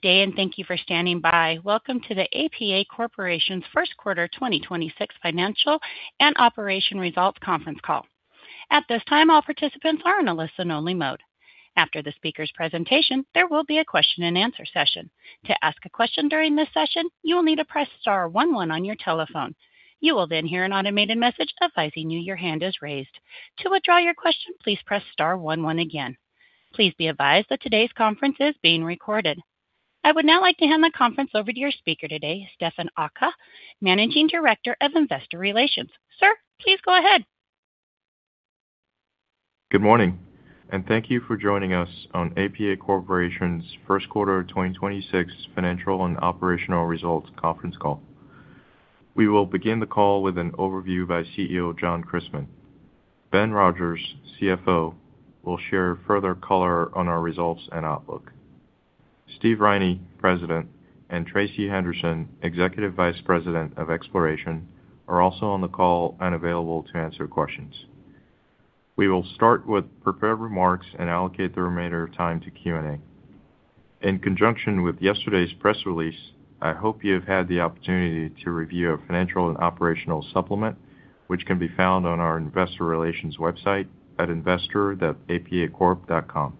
Good day, and thank you for standing by. Welcome to the APA Corporation's first quarter 2026 financial and operation results conference call. At this time, all participants are in a listen-only mode. After the speaker's presentation, there will be a question-and-answer session. To ask a question during this session, you will need to press star one one on your telephone. You will then hear an automated message advising you your hand is raised. To withdraw your question, please press star one one again. Please be advised that today's conference is being recorded. I would now like to hand the conference over to your speaker today, Stephane Aka, Managing Director of Investor Relations. Sir, please go ahead. Good morning, and thank you for joining us on APA Corporation's first quarter 2026 financial and operational results conference call. We will begin the call with an overview by CEO John Christmann. Ben Rodgers, CFO, will share further color on our results and outlook. Steve Riney, President, and Tracey Henderson, Executive Vice President of Exploration, are also on the call and available to answer questions. We will start with prepared remarks and allocate the remainder of time to Q&A. In conjunction with yesterday's press release, I hope you have had the opportunity to review our financial and operational supplement, which can be found on our investor relations website at investor.apacorp.com.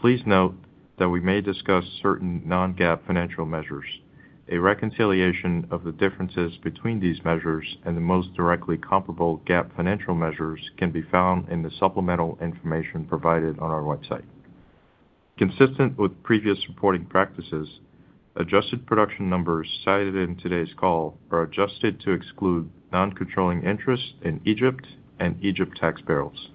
Please note that we may discuss certain non-GAAP financial measures. A reconciliation of the differences between these measures and the most directly comparable GAAP financial measures can be found in the supplemental information provided on our website. Consistent with previous reporting practices, adjusted production numbers cited in today's call are adjusted to exclude non-controlling interests in Egypt and Egypt tax barrels.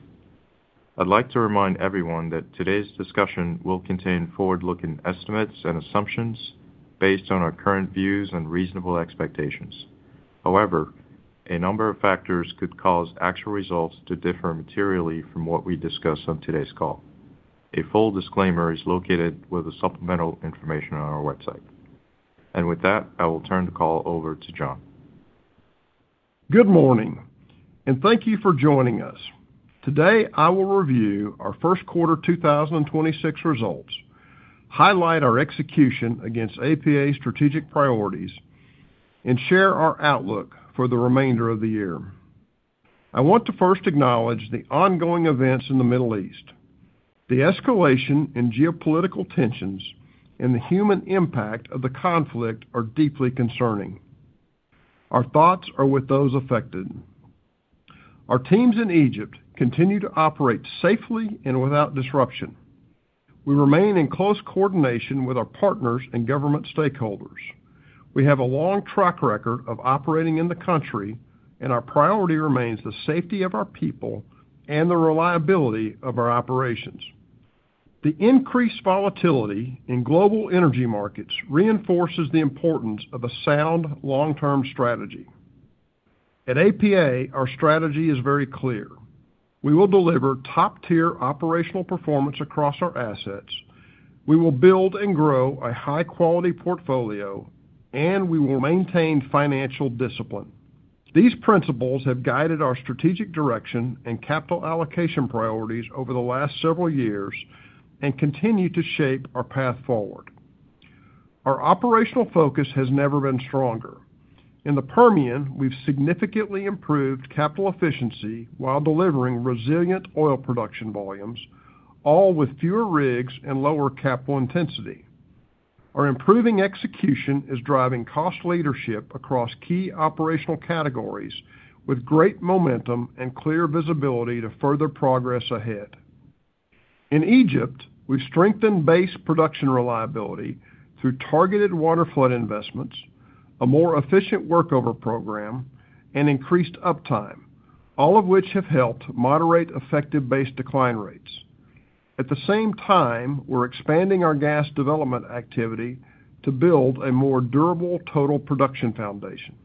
I'd like to remind everyone that today's discussion will contain forward-looking estimates and assumptions based on our current views and reasonable expectations. However, a number of factors could cause actual results to differ materially from what we discuss on today's call. A full disclaimer is located with the supplemental information on our website. With that, I will turn the call over to John. Good morning, and thank you for joining us. Today, I will review our first quarter 2026 results, highlight our execution against APA strategic priorities, and share our outlook for the remainder of the year. I want to first acknowledge the ongoing events in the Middle East. The escalation in geopolitical tensions and the human impact of the conflict are deeply concerning. Our thoughts are with those affected. Our teams in Egypt continue to operate safely and without disruption. We remain in close coordination with our partners and government stakeholders. We have a long track record of operating in the country, and our priority remains the safety of our people and the reliability of our operations. The increased volatility in global energy markets reinforces the importance of a sound long-term strategy. At APA, our strategy is very clear. We will deliver top-tier operational performance across our assets. We will build and grow a high-quality portfolio, and we will maintain financial discipline. These principles have guided our strategic direction and capital allocation priorities over the last several years and continue to shape our path forward. Our operational focus has never been stronger. In the Permian, we've significantly improved capital efficiency while delivering resilient oil production volumes, all with fewer rigs and lower capital intensity. Our improving execution is driving cost leadership across key operational categories with great momentum and clear visibility to further progress ahead. In Egypt, we've strengthened base production reliability through targeted water flood investments, a more efficient workover program, and increased uptime, all of which have helped moderate effective base decline rates. At the same time, we're expanding our gas development activity to build a more durable total production foundation.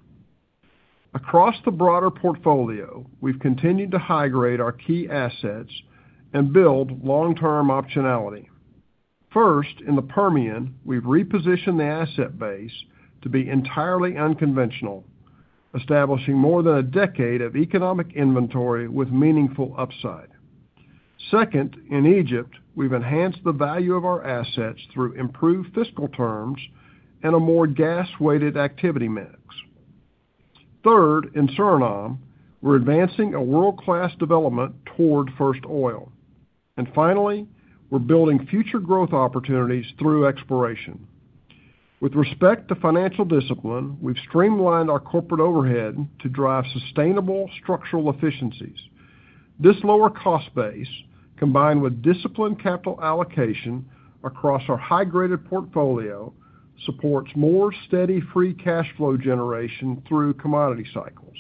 Across the broader portfolio, we've continued to high-grade our key assets and build long-term optionality. First, in the Permian, we've repositioned the asset base to be entirely unconventional, establishing more than a decade of economic inventory with meaningful upside. Second, in Egypt, we've enhanced the value of our assets through improved fiscal terms and a more gas-weighted activity mix. Third, in Suriname, we're advancing a world-class development toward first oil. Finally, we're building future growth opportunities through exploration. With respect to financial discipline, we've streamlined our corporate overhead to drive sustainable structural efficiencies. This lower cost base, combined with disciplined capital allocation across our high-graded portfolio, supports more steady free cash flow generation through commodity cycles.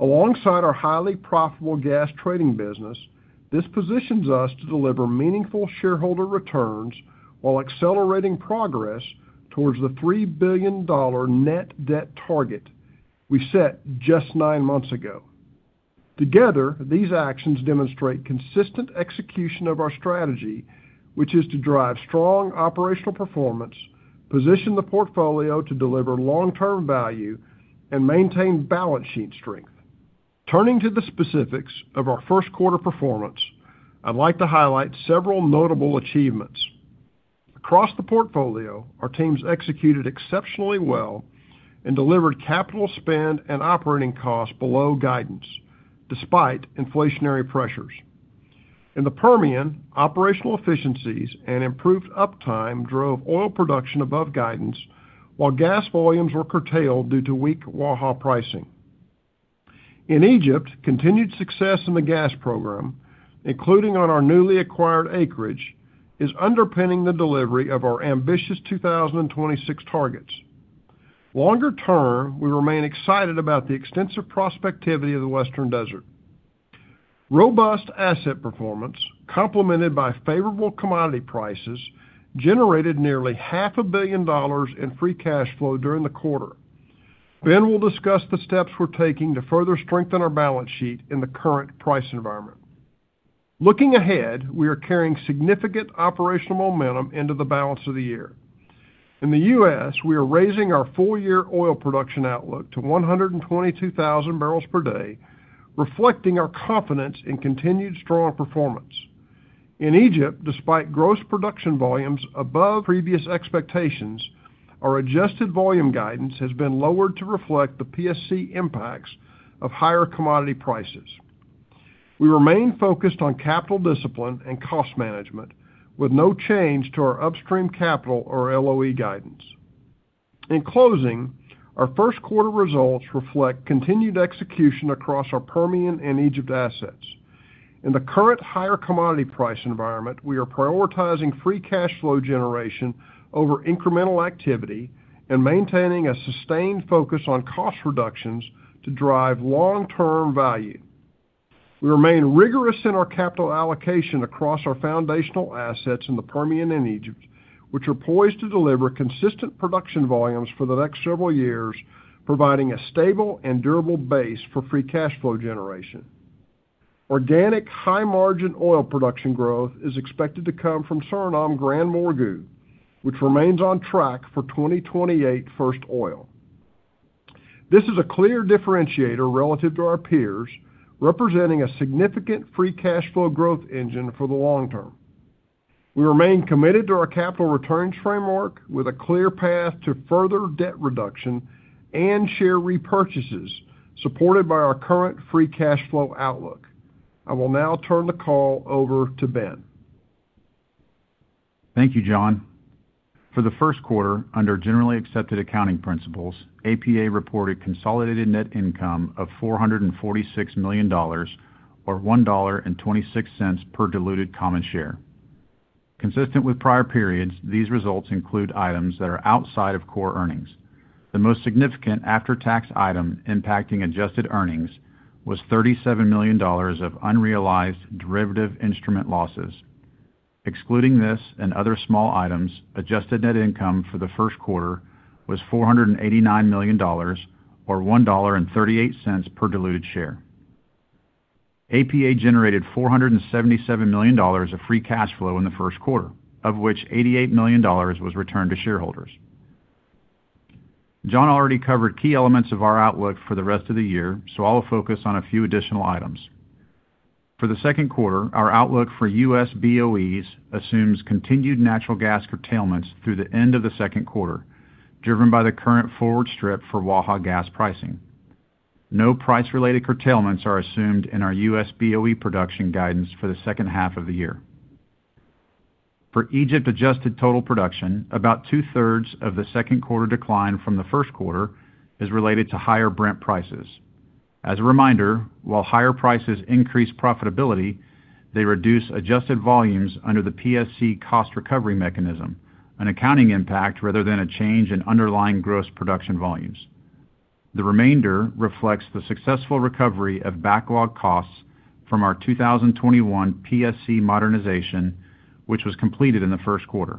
Alongside our highly profitable gas trading business, this positions us to deliver meaningful shareholder returns while accelerating progress towards the $3 billion net debt target we set just nine months ago. Together, these actions demonstrate consistent execution of our strategy, which is to drive strong operational performance, position the portfolio to deliver long-term value, and maintain balance sheet strength. Turning to the specifics of our first quarter performance, I'd like to highlight several notable achievements. Across the portfolio, our teams executed exceptionally well and delivered capital spend and operating costs below guidance despite inflationary pressures. In the Permian, operational efficiencies and improved uptime drove oil production above guidance, while gas volumes were curtailed due to weak Waha pricing. In Egypt, continued success in the gas program, including on our newly acquired acreage, is underpinning the delivery of our ambitious 2026 targets. Longer term, we remain excited about the extensive prospectivity of the Western Desert. Robust asset performance complemented by favorable commodity prices generated nearly half a billion dollars in free cash flow during the quarter. Ben will discuss the steps we're taking to further strengthen our balance sheet in the current price environment. Looking ahead, we are carrying significant operational momentum into the balance of the year. In the U.S., we are raising our full year oil production outlook to 122,000 barrels per day, reflecting our confidence in continued strong performance. In Egypt, despite gross production volumes above previous expectations, our adjusted volume guidance has been lowered to reflect the PSC impacts of higher commodity prices. We remain focused on capital discipline and cost management with no change to our upstream capital or LOE guidance. In closing, our first quarter results reflect continued execution across our Permian and Egypt assets. In the current higher commodity price environment, we are prioritizing free cash flow generation over incremental activity and maintaining a sustained focus on cost reductions to drive long-term value. We remain rigorous in our capital allocation across our foundational assets in the Permian and Egypt, which are poised to deliver consistent production volumes for the next several years, providing a stable and durable base for free cash flow generation. Organic high-margin oil production growth is expected to come from Suriname GranMorgu, which remains on track for 2028 first oil. This is a clear differentiator relative to our peers, representing a significant free cash flow growth engine for the long term. We remain committed to our capital returns framework with a clear path to further debt reduction and share repurchases, supported by our current free cash flow outlook. I will now turn the call over to Ben. Thank you, John. For the first quarter, under generally accepted accounting principles, APA reported consolidated net income of $446 million or $1.26 per diluted common share. Consistent with prior periods, these results include items that are outside of core earnings. The most significant after-tax item impacting adjusted earnings was $37 million of unrealized derivative instrument losses. Excluding this and other small items, adjusted net income for the first quarter was $489 million or $1.38 per diluted share. APA generated $477 million of free cash flow in the first quarter, of which $88 million was returned to shareholders. John already covered key elements of our outlook for the rest of the year. I'll focus on a few additional items. For the second quarter, our outlook for U.S. BOEs assumes continued natural gas curtailments through the end of the second quarter, driven by the current forward strip for Waha gas pricing. No price-related curtailments are assumed in our U.S. BOE production guidance for the second half of the year. For Egypt adjusted total production, about two-thirds of the second quarter decline from the first quarter is related to higher Brent prices. As a reminder, while higher prices increase profitability, they reduce adjusted volumes under the PSC cost recovery mechanism, an accounting impact rather than a change in underlying gross production volumes. The remainder reflects the successful recovery of backlog costs from our 2021 PSC modernization, which was completed in the first quarter.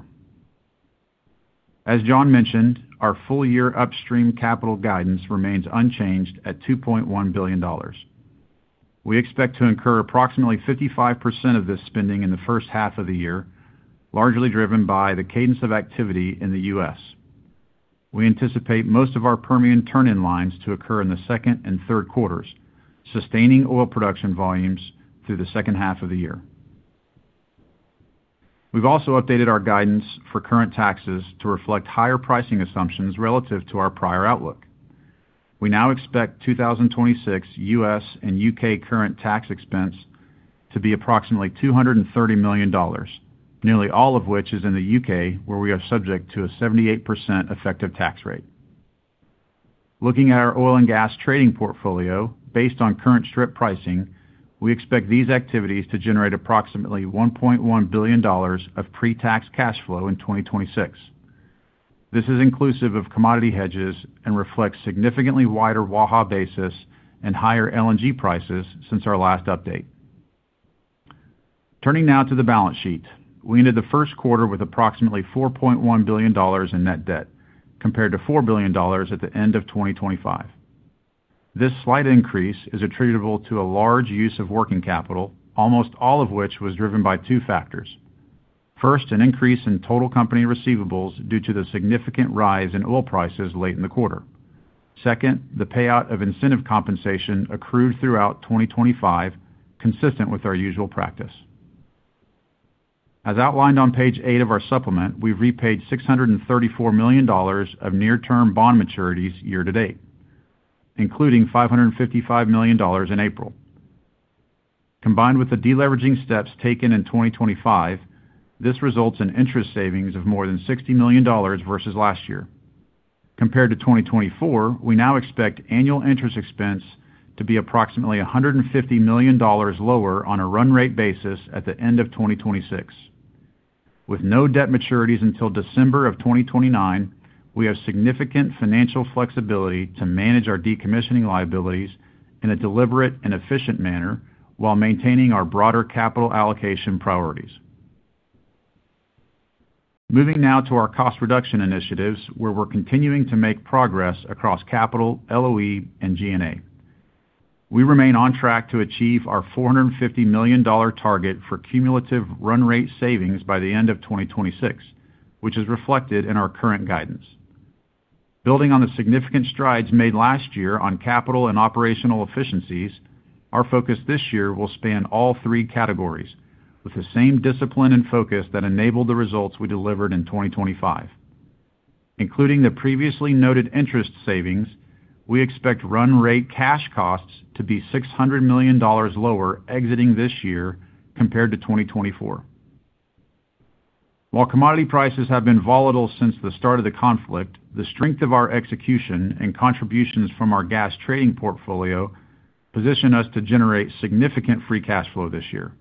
As John mentioned, our full year upstream capital guidance remains unchanged at $2.1 billion. We expect to incur approximately 55% of this spending in the first half of the year, largely driven by the cadence of activity in the U.S. We anticipate most of our Permian turn-in lines to occur in the second and third quarters, sustaining oil production volumes through the second half of the year. We've also updated our guidance for current taxes to reflect higher pricing assumptions relative to our prior outlook. We now expect 2026 U.S. and U.K. current tax expense to be approximately $230 million, nearly all of which is in the U.K., where we are subject to a 78% effective tax rate. Looking at our oil and gas trading portfolio, based on current strip pricing, we expect these activities to generate approximately $1.1 billion of pre-tax cash flow in 2026. This is inclusive of commodity hedges and reflects significantly wider Waha basis and higher LNG prices since our last update. Turning now to the balance sheet. We ended the first quarter with approximately $4.1 billion in net debt, compared to $4 billion at the end of 2025. This slight increase is attributable to a large use of working capital, almost all of which was driven by two factors. First, an increase in total company receivables due to the significant rise in oil prices late in the quarter. Second, the payout of incentive compensation accrued throughout 2025, consistent with our usual practice. As outlined on page eight of our supplement, we repaid $634 million of near term bond maturities year to date, including $555 million in April. Combined with the deleveraging steps taken in 2025, this results in interest savings of more than $60 million versus last year. Compared to 2024, we now expect annual interest expense to be approximately $150 million lower on a run rate basis at the end of 2026. With no debt maturities until December of 2029, we have significant financial flexibility to manage our decommissioning liabilities in a deliberate and efficient manner while maintaining our broader capital allocation priorities. Moving now to our cost reduction initiatives, where we're continuing to make progress across capital, LOE and G&A. We remain on track to achieve our $450 million target for cumulative run rate savings by the end of 2026, which is reflected in our current guidance. Building on the significant strides made last year on capital and operational efficiencies, our focus this year will span all three categories with the same discipline and focus that enabled the results we delivered in 2025. Including the previously noted interest savings, we expect run rate cash costs to be $600 million lower exiting this year compared to 2024. While commodity prices have been volatile since the start of the conflict, the strength of our execution and contributions from our gas trading portfolio position us to generate significant free cash flow this year.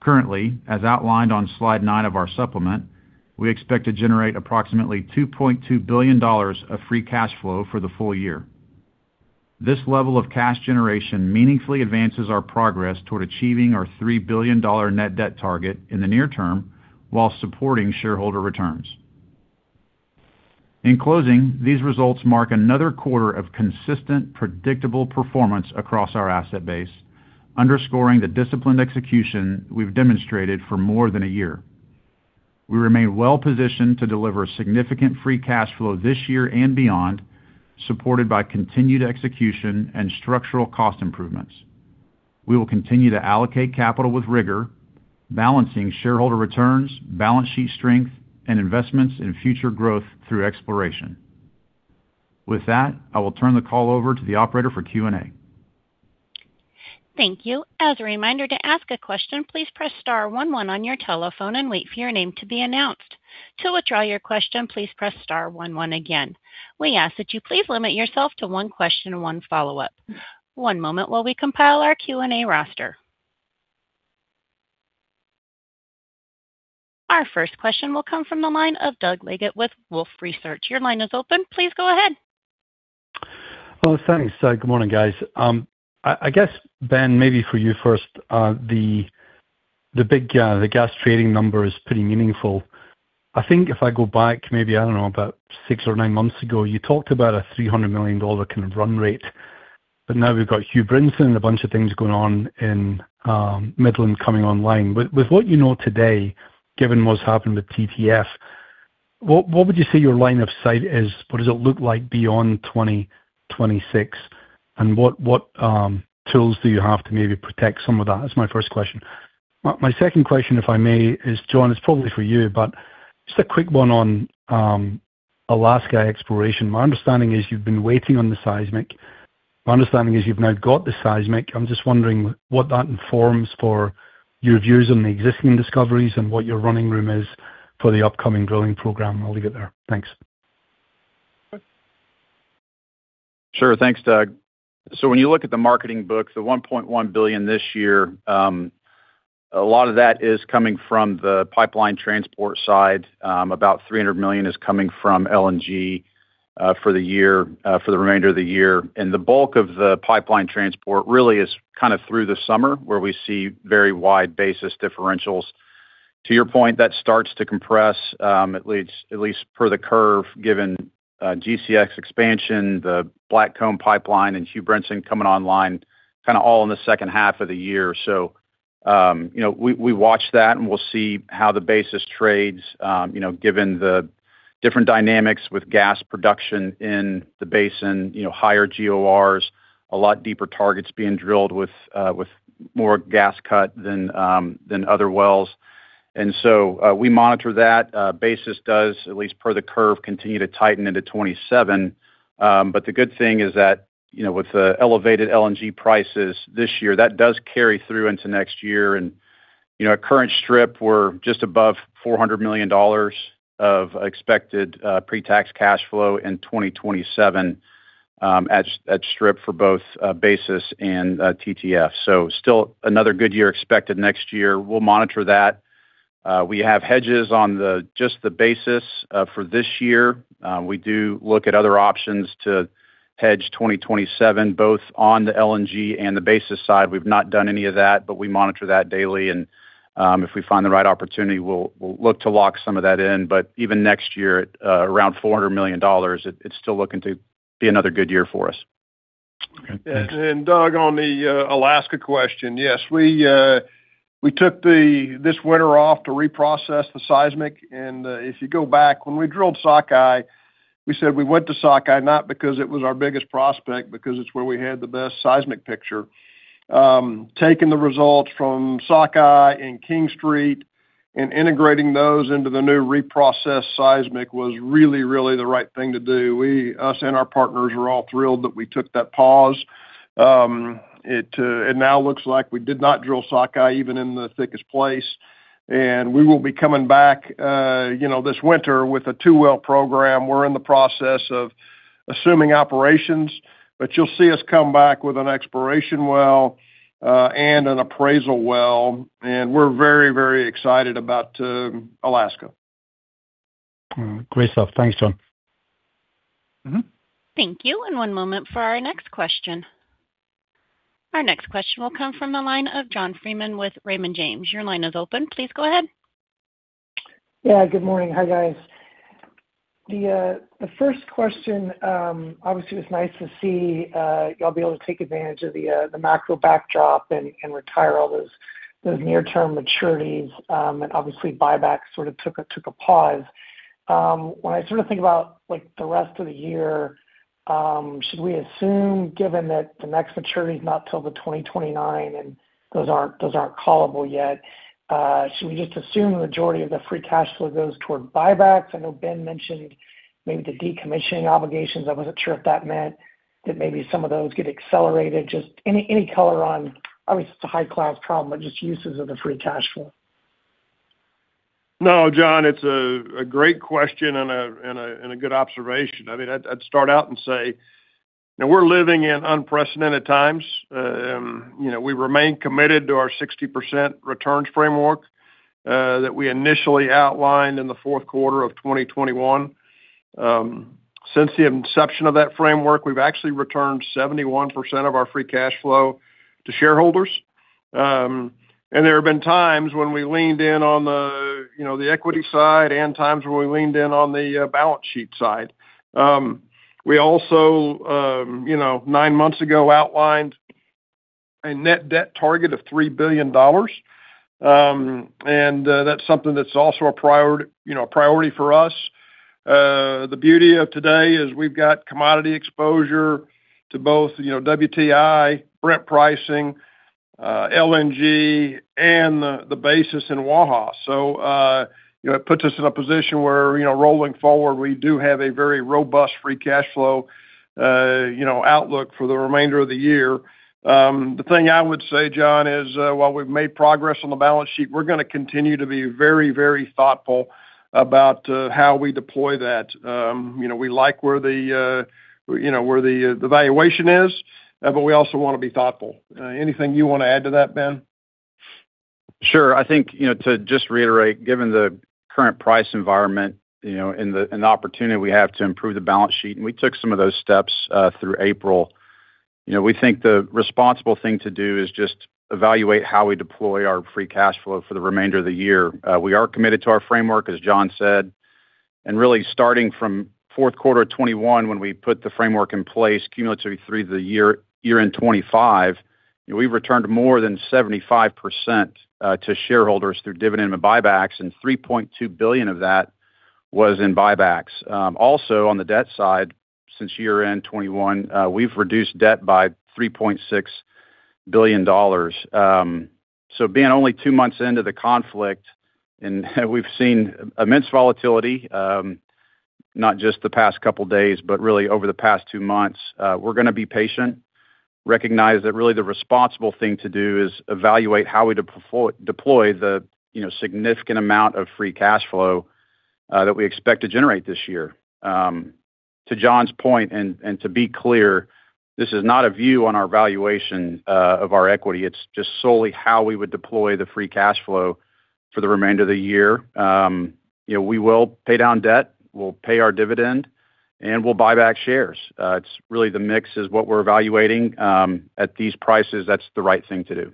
Currently, as outlined on slide nine of our supplement, we expect to generate approximately $2.2 billion of free cash flow for the full year. This level of cash generation meaningfully advances our progress toward achieving our $3 billion net debt target in the near term while supporting shareholder returns. In closing, these results mark another quarter of consistent, predictable performance across our asset base, underscoring the disciplined execution we've demonstrated for more than a year. We remain well-positioned to deliver significant free cash flow this year and beyond, supported by continued execution and structural cost improvements. We will continue to allocate capital with rigor, balancing shareholder returns, balance sheet strength, and investments in future growth through exploration. With that, I will turn the call over to the operator for Q&A. Thank you. As a reminder to ask a question, please press star one one on your telephone and wait for your name to be announced. To withdraw your question, please press star one one again. We ask that you please limit yourself to one question and one follow-up. One moment while we compile our Q&A roster. Our first question will come from the line of Doug Leggate with Wolfe Research. Your line is open. Please go ahead. Oh, thanks. Good morning, guys. I guess, Ben, maybe for you first, the big gas trading number is pretty meaningful. I think if I go back, maybe, I don't know, about six or nine months ago, you talked about a $300 million kind of run rate. Now we've got Hugh Brinson and a bunch of things going on in Midland coming online. With what you know today, given what's happened with TTF, what would you say your line of sight is? What does it look like beyond 2026? What tools do you have to maybe protect some of that? That's my first question. My second question, if I may, is, John, it's probably for you, just a quick one on Alaska exploration. My understanding is you've been waiting on the seismic. My understanding is you've now got the seismic. I'm just wondering what that informs for your views on the existing discoveries and what your running room is for the upcoming drilling program. I'll leave it there. Thanks. Sure. Thanks, Doug. When you look at the marketing books, the $1.1 billion this year, a lot of that is coming from the pipeline transport side. About $300 million is coming from LNG for the year, for the remainder of the year. The bulk of the pipeline transport really is kind of through the summer where we see very wide basis differentials. To your point, that starts to compress, at least per the curve, given GCX expansion, the Blackcomb Pipeline and Matterhorn Pipeline coming online kinda all in the second half of the year. you know, we watch that, and we'll see how the basis trades, you know, given the different dynamics with gas production in the basin, you know, higher GORs, a lot deeper targets being drilled with more gas cut than other wells. Basis does, at least per the curve, continue to tighten into 2027. The good thing is that, you know, with the elevated LNG prices this year, that does carry through into next year. you know, our current strip, we're just above $400 million of expected pre-tax cash flow in 2027, at strip for both basis and TTF. Still another good year expected next year. We'll monitor that. We have hedges on the, just the basis for this year. We do look at other options to hedge 2027, both on the LNG and the basis side. We've not done any of that, but we monitor that daily, and if we find the right opportunity, we'll look to lock some of that in. Even next year at around $400 million, it's still looking to be another good year for us. Doug, on the Alaska question. Yes, we took this winter off to reprocess the seismic. If you go back when we drilled Sockeye, we said we went to Sockeye not because it was our biggest prospect, because it's where we had the best seismic picture. Taking the results from Sockeye and King Street and integrating those into the new reprocessed seismic was really the right thing to do. Us and our partners are all thrilled that we took that pause. It now looks like we did not drill Sockeye even in the thickest place, and we will be coming back, you know, this winter with a two-well program. We're in the process of assuming operations, but you'll see us come back with an exploration well, and an appraisal well, and we're very, very excited about Alaska. Great stuff. Thanks, John. Thank you. One moment for our next question. Our next question will come from the line of John Freeman with Raymond James. Your line is open. Please go ahead. Good morning. Hi, guys. The first question, obviously it's nice to see y'all be able to take advantage of the macro backdrop and retire all those near-term maturities. Obviously buyback sort of took a pause. When I sort of think about like the rest of the year, should we assume, given that the next maturity is not till the 2029 and those aren't callable yet, should we just assume the majority of the free cash flow goes toward buybacks? I know Ben mentioned maybe the decommissioning obligations. I wasn't sure if that meant that maybe some of those get accelerated. Just any color on, obviously it's a high-class problem, but just uses of the free cash flow. No, John, it's a great question and a good observation. I mean, I'd start out and say, you know, we're living in unprecedented times. You know, we remain committed to our 60% returns framework that we initially outlined in the fourth quarter of 2021. Since the inception of that framework, we've actually returned 71% of our free cash flow to shareholders. There have been times when we leaned in on the, you know, the equity side and times where we leaned in on the balance sheet side. We also, you know, nine months ago outlined a net debt target of $3 billion. That's something that's also, you know, a priority for us. The beauty of today is we've got commodity exposure to both, you know, WTI, Brent pricing, LNG and the basis in Waha. You know, it puts us in a position where, you know, rolling forward, we do have a very robust free cash flow, you know, outlook for the remainder of the year. The thing I would say, John, is, while we've made progress on the balance sheet, we're gonna continue to be very, very thoughtful about how we deploy that. You know, we like where the, you know, where the valuation is, but we also wanna be thoughtful. Anything you wanna add to that, Ben? Sure. I think, you know, to just reiterate, given the current price environment, you know, and the opportunity we have to improve the balance sheet, and we took some of those steps through April. You know, we think the responsible thing to do is just evaluate how we deploy our free cash flow for the remainder of the year. We are committed to our framework, as John said. Really starting from fourth quarter 2021 when we put the framework in place cumulative through the year-end 2025, you know, we've returned more than 75% to shareholders through dividend and buybacks, and $3.2 billion of that was in buybacks. Also on the debt side, since year-end 2021, we've reduced debt by $3.6 billion. So being only two months into the conflict, and we've seen immense volatility, not just the past couple days, but really over the past two months. We're gonna be patient, recognize that really the responsible thing to do is evaluate how we deploy the, you know, significant amount of free cash flow that we expect to generate this year. To John's point, and to be clear, this is not a view on our valuation of our equity. It's just solely how we would deploy the free cash flow for the remainder of the year. You know, we will pay down debt, we'll pay our dividend, and we'll buy back shares. It's really the mix is what we're evaluating. At these prices, that's the right thing to do.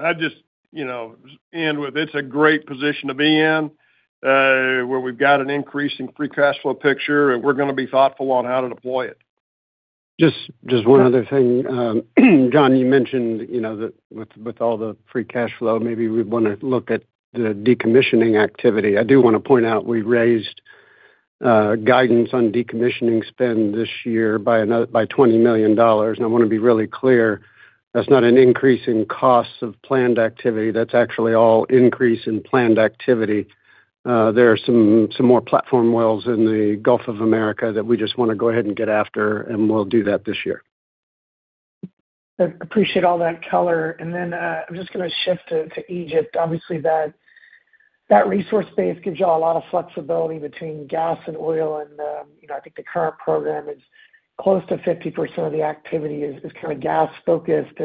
I just, you know, end with it's a great position to be in, where we've got an increase in free cash flow picture, and we're gonna be thoughtful on how to deploy it. Just one other thing. John, you mentioned, you know, that with all the free cash flow, maybe we'd wanna look at the decommissioning activity. I do wanna point out we raised guidance on decommissioning spend this year by $20 million. I wanna be really clear, that's not an increase in costs of planned activity. That's actually all increase in planned activity. There are some more platform wells in the Gulf of Mexico that we just wanna go ahead and get after, and we'll do that this year. Appreciate all that color. I'm just gonna shift to Egypt. Obviously, that resource base gives y'all a lot of flexibility between gas and oil. You know, I think the current program is close to 50% of the activity is kinda gas-focused.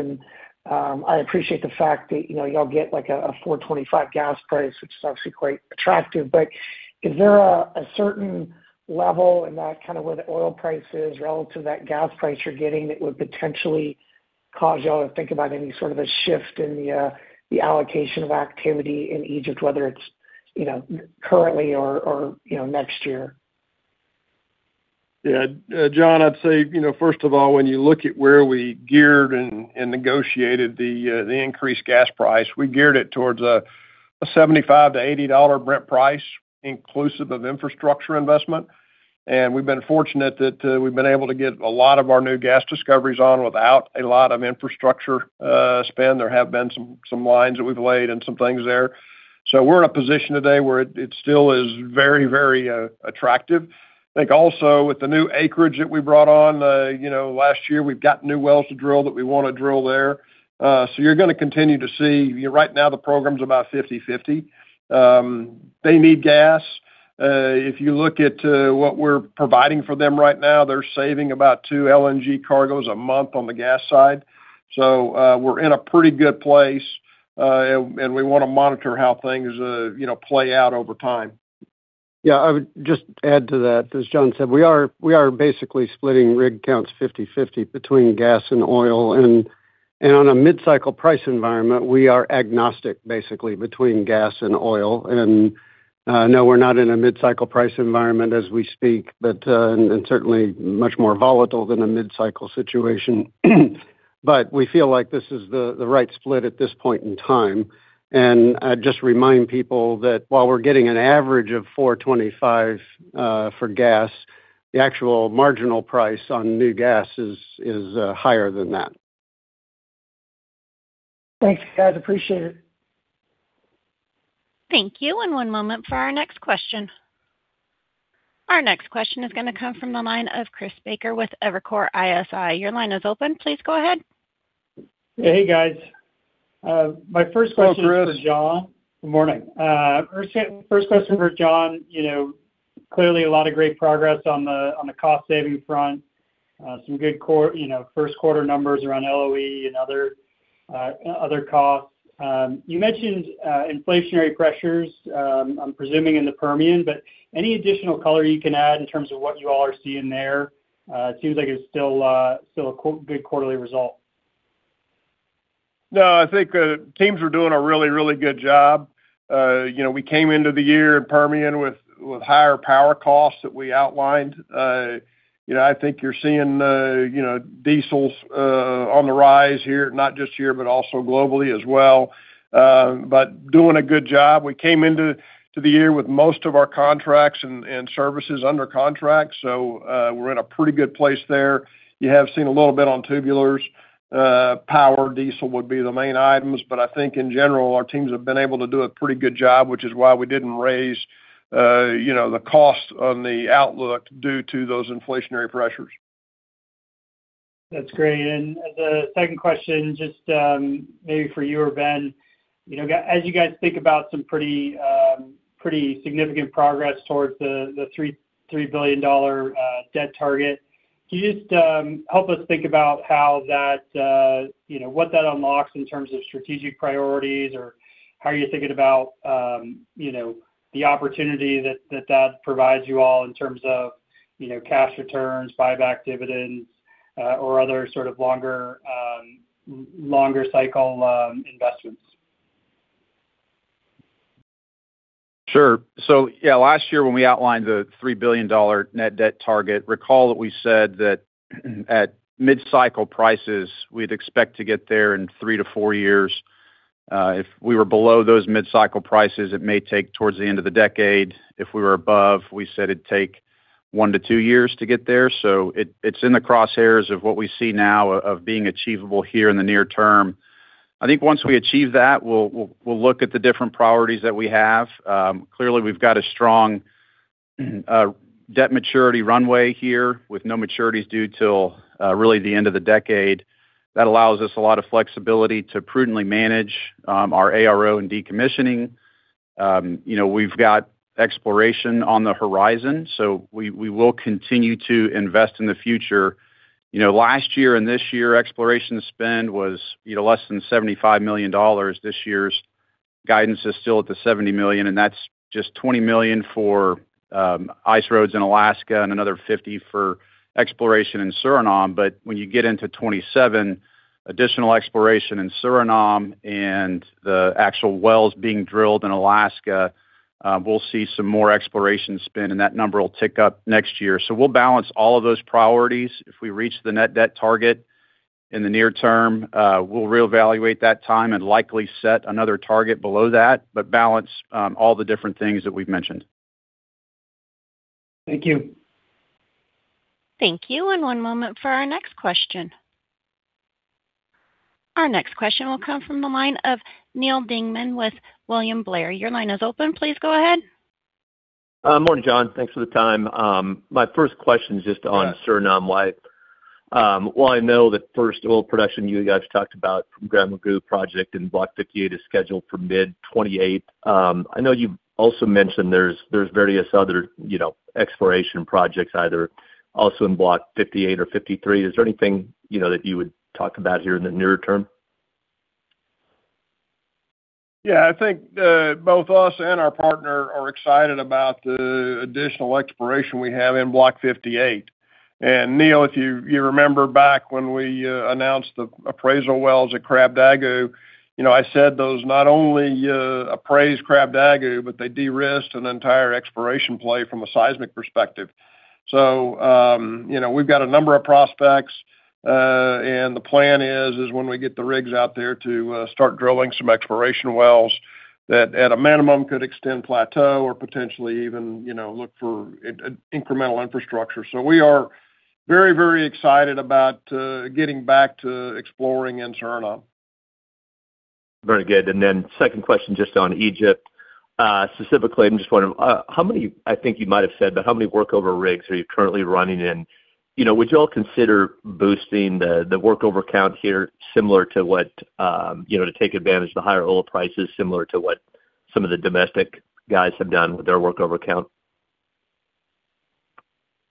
I appreciate the fact that, you know, y'all get like a $4.25 gas price, which is obviously quite attractive. Is there a certain level in that kind of where the oil price is relative to that gas price you're getting that would potentially cause y'all to think about any sort of a shift in the allocation of activity in Egypt, whether it's, you know, currently or, you know, next year. Yeah. John, I'd say, you know, first of all, when you look at where we geared and negotiated the increased gas price. We geared it towards a $75-$80 Brent price, inclusive of infrastructure investment. We've been fortunate that we've been able to get a lot of our new gas discoveries on without a lot of infrastructure spend. There have been some lines that we've laid and some things there. We're in a position today where it still is very attractive. I think also with the new acreage that we brought on, you know, last year, we've got new wells to drill that we wanna drill there. You're gonna continue to see Right now, the program's about 50/50. They need gas. If you look at what we're providing for them right now, they're saving about two LNG cargos a month on the gas side. We're in a pretty good place, and we wanna monitor how things, you know, play out over time. Yeah. I would just add to that. As John said, we are basically splitting rig counts 50/50 between gas and oil. On a mid-cycle price environment, we are agnostic basically between gas and oil. No, we're not in a mid-cycle price environment as we speak, but certainly much more volatile than a mid-cycle situation. We feel like this is the right split at this point in time. I'd just remind people that while we're getting an average of $4.25 for gas, the actual marginal price on new gas is higher than that. Thanks, guys. Appreciate it. Thank you. One moment for our next question. Our next question is going to come from the line of Chris Baker with Evercore ISI. Your line is open. Please go ahead. Hey, guys. My first question. Hello, Chris. is for John. Good morning. First question for John. You know, clearly a lot of great progress on the cost-saving front. Some good first quarter numbers around LOE and other costs. You mentioned inflationary pressures, I'm presuming in the Permian, but any additional color you can add in terms of what you all are seeing there? It seems like it's still a big quarterly result. No, I think teams are doing a really, really good job. You know, we came into the year in Permian with higher power costs that we outlined. You know, I think you're seeing, you know, diesels on the rise here, not just here, but also globally as well. Doing a good job. We came into the year with most of our contracts and services under contract, we're in a pretty good place there. You have seen a little bit on tubulars. Power, diesel would be the main items, I think in general, our teams have been able to do a pretty good job, which is why we didn't raise, you know, the cost on the outlook due to those inflationary pressures. That's great. The second question, just, maybe for you or Ben. You know, as you guys think about some pretty significant progress towards the $3 billion debt target, can you just help us think about how that, you know, what that unlocks in terms of strategic priorities, or how are you thinking about, you know, the opportunity that provides you all in terms of, you know, cash returns, buyback dividends, or other sort of longer cycle investments? Sure. Yeah, last year when we outlined the $3 billion net debt target, recall that we said that at mid-cycle prices, we'd expect to get there in three to four years. If we were below those mid-cycle prices, it may take towards the end of the decade. If we were above, we said it'd take one to two years to get there. It, it's in the crosshairs of what we see now of being achievable here in the near term. I think once we achieve that, we'll look at the different priorities that we have. Clearly we've got a strong debt maturity runway here with no maturities due till really the end of the decade. That allows us a lot of flexibility to prudently manage our ARO and decommissioning. You know, we've got exploration on the horizon, so we will continue to invest in the future. You know, last year and this year, exploration spend was, you know, less than $75 million. This year's guidance is still at the $70 million, and that's just $20 million for ice roads in Alaska and another $50 million for exploration in Suriname. When you get into 2027, additional exploration in Suriname and the actual wells being drilled in Alaska, we'll see some more exploration spend, and that number will tick up next year. We'll balance all of those priorities. If we reach the net debt target in the near term, we'll reevaluate that time and likely set another target below that, but balance all the different things that we've mentioned. Thank you. Thank you. One moment for our next question. Our next question will come from the line of Neal Dingmann with William Blair. Your line is open. Please go ahead. Morning, John. Thanks for the time. My first question is just on. Yes Suriname-wide. While I know that first oil production you guys talked about from GranMorgu project in Block 58 is scheduled for mid-2028. I know you've also mentioned there's various other, you know, exploration projects either also in Block 58 or 53. Is there anything, you know, that you would talk about here in the near term? Yeah, I think, both us and our partner are excited about the additional exploration we have in Block 58. Neal, if you remember back when we announced the appraisal wells at Krabdagu, you know, I said those not only appraise Krabdagu, but they de-risked an entire exploration play from a seismic perspective. You know, we've got a number of prospects. The plan is when we get the rigs out there to start drilling some exploration wells that at a minimum could extend plateau or potentially even, you know, look for incremental infrastructure. We are very, very excited about getting back to exploring in Suriname. Very good. Then second question just on Egypt. Specifically, I'm just wondering how many I think you might have said, but how many workover rigs are you currently running? You know, would you all consider boosting the workover count here similar to what, you know, to take advantage of the higher oil prices, similar to what some of the domestic guys have done with their workover count?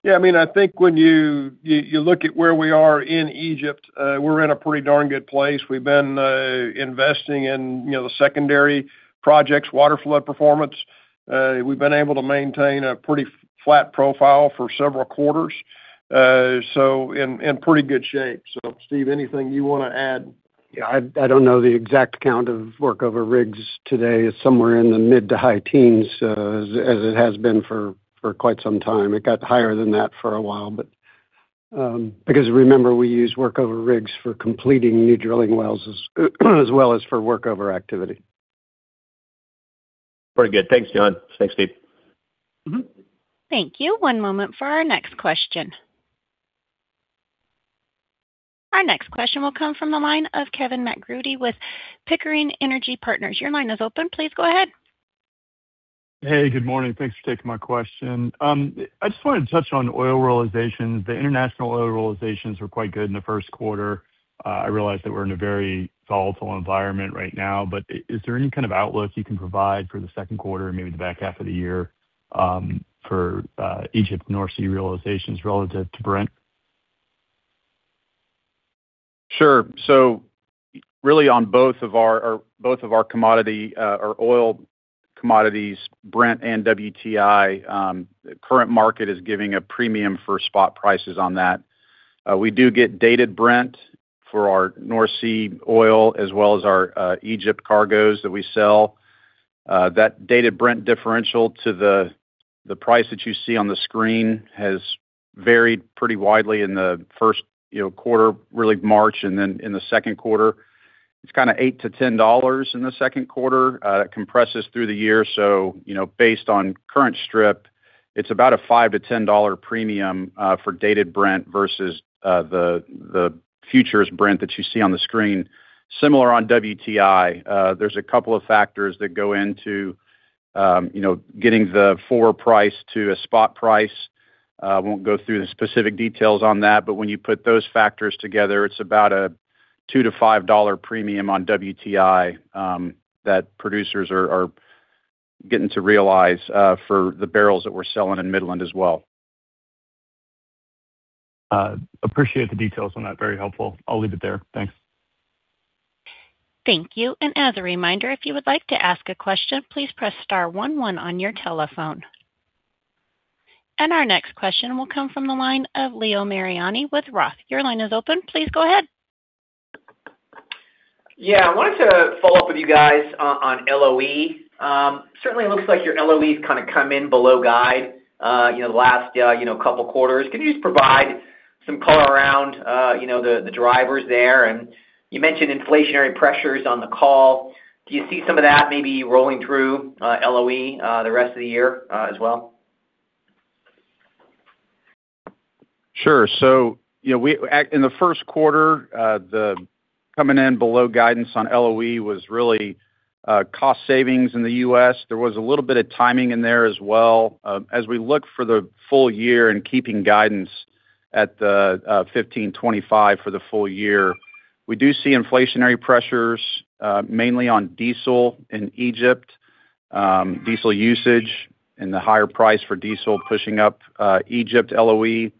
Yeah, I mean, I think when you look at where we are in Egypt, we're in a pretty darn good place. We've been investing in, you know, the secondary projects, water flood performance. We've been able to maintain a pretty flat profile for several quarters. In pretty good shape. Steve, anything you wanna add? Yeah, I don't know the exact count of workover rigs today. It's somewhere in the mid to high teens, as it has been for quite some time. It got higher than that for a while, but because remember, we use workover rigs for completing new drilling wells as well as for workover activity. Very good. Thanks, John. Thanks, Steve. Thank you. One moment for our next question. Our next question will come from the line of Kevin MacCurdy with Pickering Energy Partners. Your line is open. Please go ahead. Hey, good morning. Thanks for taking my question. I just wanted to touch on oil realizations. The international oil realizations were quite good in the first quarter. I realize that we're in a very volatile environment right now, but is there any kind of outlook you can provide for the second quarter and maybe the back half of the year, for Egypt North Sea realizations relative to Brent? Sure. Really on both of our both of our commodity, our oil commodities, Brent and WTI, current market is giving a premium for spot prices on that. We do get Dated Brent for our North Sea oil as well as our Egypt cargos that we sell. That Dated Brent differential to the price that you see on the screen has varied pretty widely in the first, you know, quarter, really March, and then in the second quarter. It's kinda $8-$10 in the second quarter. It compresses through the year. You know, based on current strip, it's about a $5-$10 premium for Dated Brent versus the futures Brent that you see on the screen. Similar on WTI. There's a couple of factors that go into, you know, getting the forward price to a spot price. Won't go through the specific details on that, but when you put those factors together, it's about a $2-$5 premium on WTI that producers are getting to realize for the barrels that we're selling in Midland as well. Appreciate the details on that. Very helpful. I'll leave it there. Thanks. Thank you. As a reminder, if you would like to ask a question, please press star one one on your telephone. Our next question will come from the line of Leo Mariani with Roth. Your line is open. Please go ahead. Yeah, I wanted to follow up with you guys on LOE. Certainly looks like your LOE's kinda come in below guide, you know, the last, you know, couple quarters. Can you just provide some color around, you know, the drivers there? You mentioned inflationary pressures on the call. Do you see some of that maybe rolling through LOE the rest of the year as well? Sure. you know, In the first quarter, the coming in below guidance on LOE was really cost savings in the U.S. There was a little bit of timing in there as well. As we look for the full year and keeping guidance at the $15.25 for the full year, we do see inflationary pressures, mainly on diesel in Egypt. Diesel usage and the higher price for diesel pushing up Egypt LOE.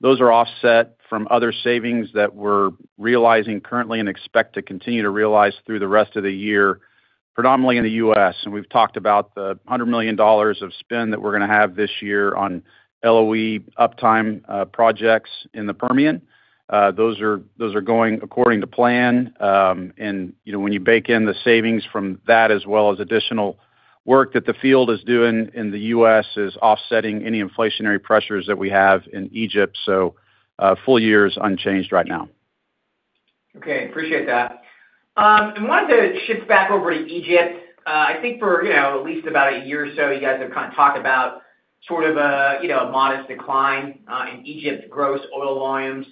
Those are offset from other savings that we're realizing currently and expect to continue to realize through the rest of the year, predominantly in the U.S. We've talked about the $100 million of spend that we're gonna have this year on LOE uptime projects in the Permian. Those are going according to plan. You know, when you bake in the savings from that as well as additional work that the field is doing in the U.S. is offsetting any inflationary pressures that we have in Egypt. Full year is unchanged right now. Okay. Appreciate that. I wanted to shift back over to Egypt. I think for, you know, at least about a year or so, you guys have kinda talked about sort of a, you know, a modest decline in Egypt gross oil volumes.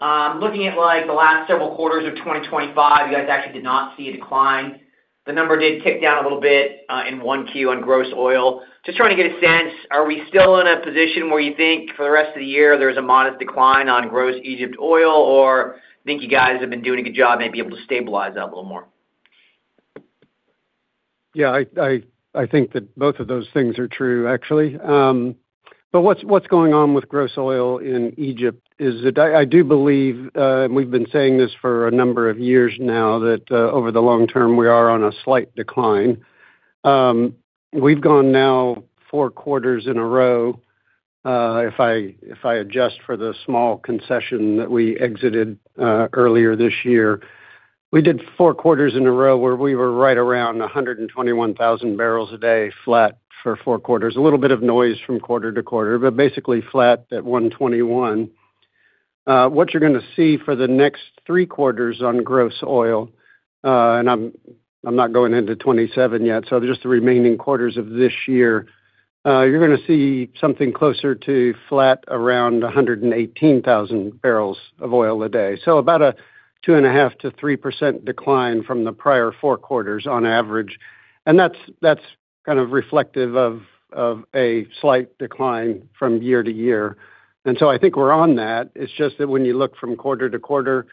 Looking at, like, the last several quarters of 2025, you guys actually did not see a decline. The number did tick down a little bit, in 1Q on gross oil. Just trying to get a sense, are we still in a position where you think for the rest of the year there's a modest decline on gross Egypt oil, or think you guys have been doing a good job, may be able to stabilize that a little more? Yeah, I think that both of those things are true actually. What's going on with gross oil in Egypt is that I do believe, and we've been saying this for a number of years now, that over the long term, we are on a slight decline. We've gone now four quarters in a row, if I adjust for the small concession that we exited earlier this year. We did four quarters in a row where we were right around 121,000 barrels a day flat for four quarters. A little bit of noise from quarter to quarter, but basically flat at 121. What you're gonna see for the next three quarters on gross oil, and I'm not going into 2027 yet, so just the remaining quarters of this year. You're gonna see something closer to flat around 118,000 barrels of oil a day. About a 2.5%-3% decline from the prior four quarters on average. That's kind of reflective of a slight decline from year to year. I think we're on that. It's just that when you look from quarter to quarter,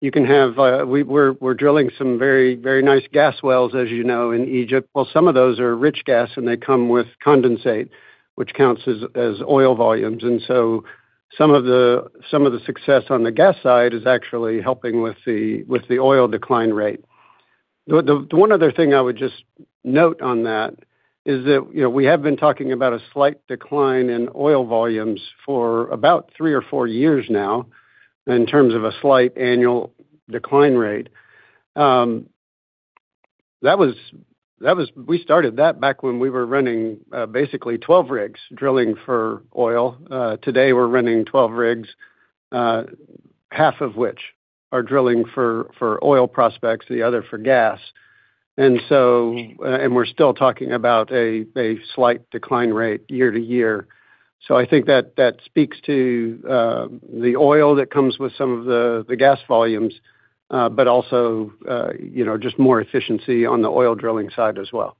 you can have, We're drilling some very, very nice gas wells, as you know, in Egypt. Well, some of those are rich gas, and they come with condensate, which counts as oil volumes. Some of the success on the gas side is actually helping with the oil decline rate. The one other thing I would just note on that is that, you know, we have been talking about a slight decline in oil volumes for about three or four years now in terms of a slight annual decline rate. We started that back when we were running, basically 12 rigs drilling for oil. Today, we're running 12 rigs, half of which are drilling for oil prospects, the other for gas. We're still talking about a slight decline rate year to year. I think that speaks to the oil that comes with some of the gas volumes, but also, you know, just more efficiency on the oil drilling side as well.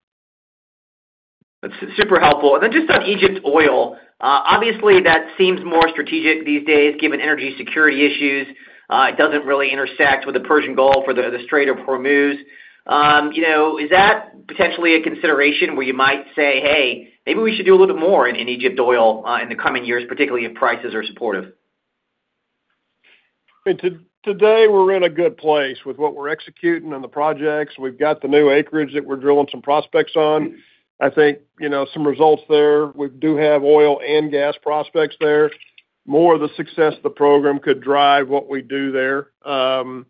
That's super helpful. Just on Egypt oil, obviously that seems more strategic these days given energy security issues. It doesn't really intersect with the Persian Gulf or the Strait of Hormuz. You know, is that potentially a consideration where you might say, "Hey, maybe we should do a little bit more in Egypt oil in the coming years, particularly if prices are supportive? I mean, today, we're in a good place with what we're executing on the projects. We've got the new acreage that we're drilling some prospects on. I think, you know, some results there. We do have oil and gas prospects there. More of the success of the program could drive what we do there. You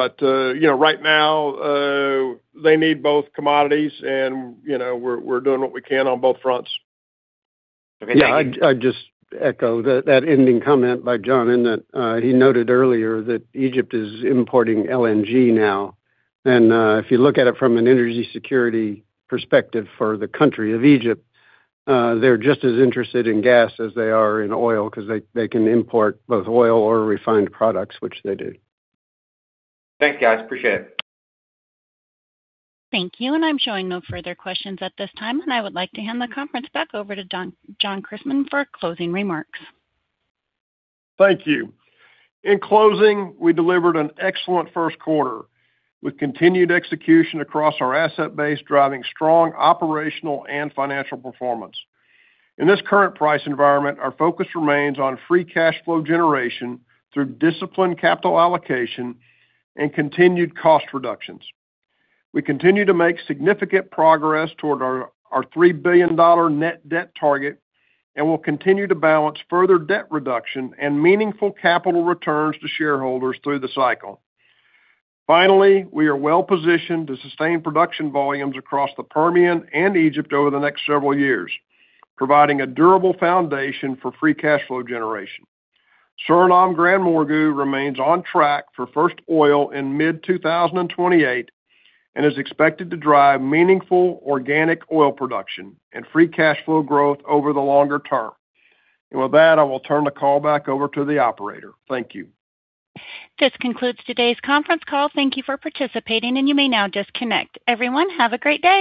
know, right now, they need both commodities and, you know, we're doing what we can on both fronts. Okay, thank you. Yeah, I'd just echo that ending comment by John in that he noted earlier that Egypt is importing LNG now. If you look at it from an energy security perspective for the country of Egypt, they're just as interested in gas as they are in oil because they can import both oil or refined products, which they do. Thanks, guys. Appreciate it. Thank you. I'm showing no further questions at this time, and I would like to hand the conference back over to John Christmann for closing remarks. Thank you. In closing, we delivered an excellent first quarter with continued execution across our asset base, driving strong operational and financial performance. In this current price environment, our focus remains on free cash flow generation through disciplined capital allocation and continued cost reductions. We continue to make significant progress toward our $3 billion net debt target and will continue to balance further debt reduction and meaningful capital returns to shareholders through the cycle. We are well-positioned to sustain production volumes across the Permian and Egypt over the next several years, providing a durable foundation for free cash flow generation. Suriname GranMorgu remains on track for first oil in mid-2028 and is expected to drive meaningful organic oil production and free cash flow growth over the longer term. With that, I will turn the call back over to the operator. Thank you. This concludes today's conference call. Thank you for participating, and you may now disconnect. Everyone, have a great day.